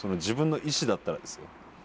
自分の意志だったらですよ。